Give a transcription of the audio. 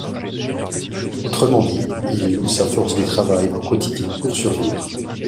Autrement dit, il loue sa force de travail, au quotidien, pour survivre.